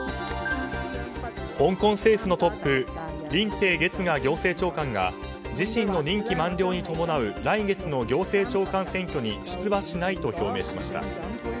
香港政府のトップリンテイ・ゲツガ行政長官が自身の任期満了に伴う来月の行政長官選挙に出馬しないと表明しました。